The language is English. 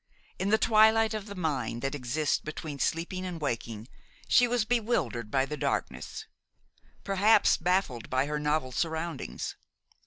In the twilight of the mind that exists between sleeping and waking she was bewildered by the darkness, perhaps baffled by her novel surroundings.